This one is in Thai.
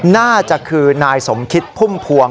น่าจะคือนายสมคิดพุ่มพวง